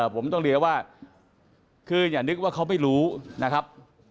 ผมต้องเรียกว่าคืออย่านึกว่าเขาไม่รู้นะครับ